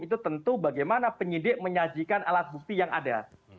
itu tentu bagaimana penyidik menyajikan alat bukti yang ada